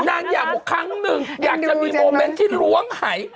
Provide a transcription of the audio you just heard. นางอยากบอกครั้งหนึ่งอยากจะมีโมเมนต์ที่ล้วงหาย